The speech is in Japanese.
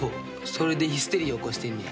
それでヒステリー起こしてんねや。